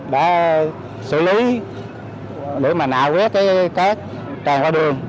đã xử lý để mà nạ quét cái cát tràn qua đường